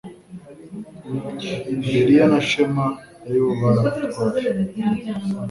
beriya na shema ari bo bari abatware